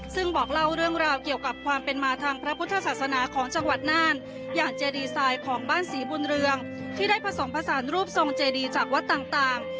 ซึ่งบอกเล่าเรื่องราวเกี่ยวกับความเป็นมาทางพระพุทธศาสนาของจังหวัดน่านอย่างเจดีไซน์ของบ้านศรีบุญเรืองที่ได้ผสมผสานรูปทรงเจดีจากวัดต่าง